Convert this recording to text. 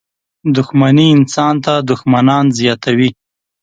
• دښمني انسان ته دښمنان زیاتوي.